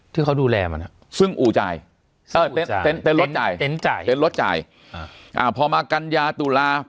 ที่เขาดูแลมันซึ่งอู่จ่ายแต่รถจ่ายรถจ่ายพอมากันยาตุลา